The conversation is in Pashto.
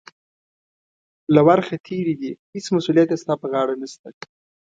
له ورخه تېرې دي، هېڅ مسؤلیت یې ستا پر غاړه نشته.